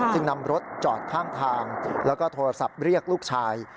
จึงนำรถจอดข้างทางแล้วก็โทรศัพท์เรียกลูกชาย